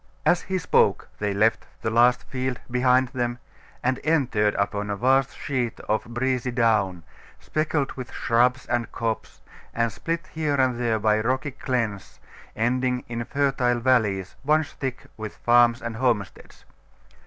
As he spoke they left the last field behind them, and entered upon a vast sheet of breezy down, speckled with shrubs and copse, and split here and there by rocky glens ending in fertile valleys once thick with farms and homesteads.